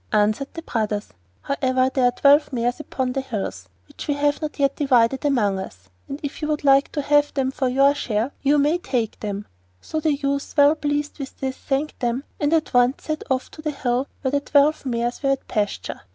answered the brothers. 'However, there are twelve mares upon the hills which we have not yet divided among us, and if you would like to have them for your share, you may take them.' So the youth, well pleased with this, thanked them, and at once set off to the hill where the twelve mares were at pasture.